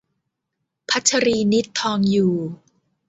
พัชรีนิษฐ์ ทองอยู่